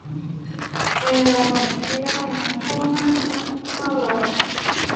ไปรอไหนไม่ได้ งั้นเข้าห้างนั่งกินข้าวรอ